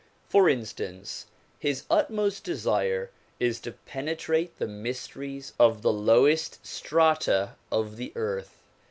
For instance, his utmost desire is to penetrate the mys teries of the lowest strata of the earth.